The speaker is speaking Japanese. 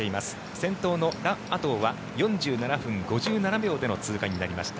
先頭のラ・アトウは４７分５７秒での通過になりました。